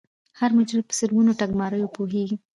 هر مجرم په سلګونو ټګماریو پوهیږي